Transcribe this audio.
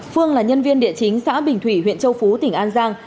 phương là nhân viên địa chính xã bình thủy huyện châu phú tỉnh an giang